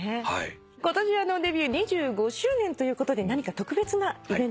今年デビュー２５周年ということで何か特別なイベントはされますか？